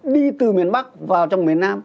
đi từ miền bắc vào trong miền nam